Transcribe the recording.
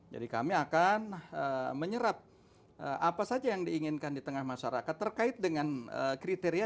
jadi kami akan menyerap apa saja yang diinginkan di tengah masyarakat terkait dengan kriteria